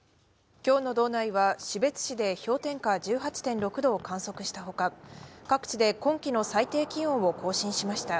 今日の道内は士別市で氷点下１８．６度を観測したほか、各地で今季の最低気温を更新しました。